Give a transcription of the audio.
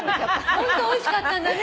ホントおいしかったんだね。